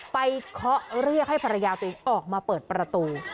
เคาะเรียกให้ภรรยาตัวเองออกมาเปิดประตู